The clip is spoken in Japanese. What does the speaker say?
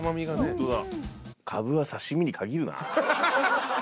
ホントだ。